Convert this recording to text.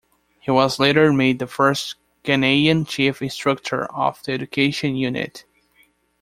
He was later made the first Ghanaian Chief Instructor of the Education Unit.